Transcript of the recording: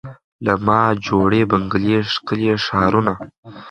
له ما جوړي بنګلې ښکلي ښارونه